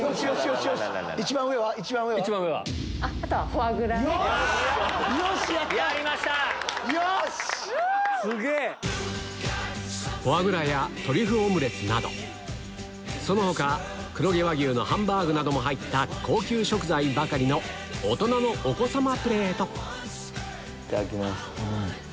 フォアグラやトリュフオムレツなどその他黒毛和牛のハンバーグなども入った高級食材ばかりのいただきます。